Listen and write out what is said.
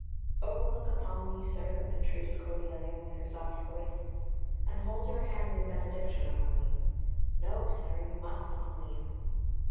"Oh, look upon me, sir!" entreated Cordelia, with her soft voice. "And hold your hands in benediction over me. No, sir, you must not kneel."